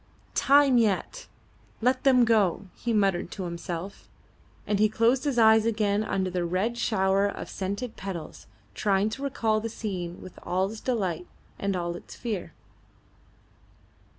"Time yet. Let them go," he muttered to himself; and he closed his eyes again under the red shower of scented petals, trying to recall the scene with all its delight and all its fear.